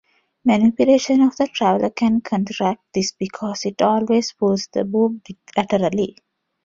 Manipulation of the traveler can counteract this because it always pulls the boom laterally.